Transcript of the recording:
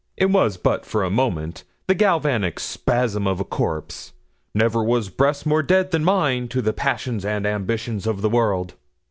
It was but for a moment the galvanic spasm of a corpse. Never was breast more dead than mine to the passions and ambitions of the world.